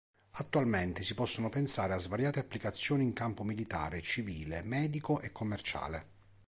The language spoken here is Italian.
Attualmente si possono pensare a svariate applicazioni in campo militare, civile, medico e commerciale.